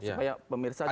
supaya pemirsa juga